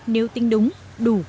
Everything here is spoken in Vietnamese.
nếu tin đúng đủ